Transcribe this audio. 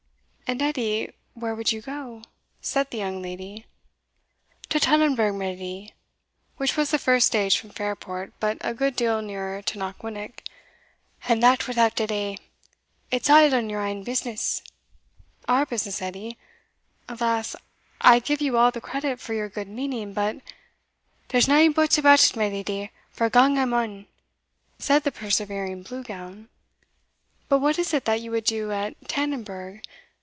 "And, Edie where would ye go?" said the young lady. "To Tannonburgh, my leddy" (which was the first stage from Fairport, but a good deal nearer to Knockwinnock), "and that without delay it's a' on your ain business." "Our business, Edie? Alas! I give you all credit for your good meaning; but" "There's nae buts about it, my leddy, for gang I maun," said the persevering Blue Gown. "But what is it that you would do at Tannonburgh?